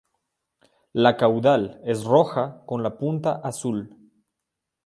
La caudal es roja con la punta azul.